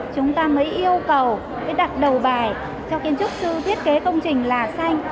chúng ta mới yêu cầu mới đặt đầu bài cho kiến trúc sư thiết kế công trình là xanh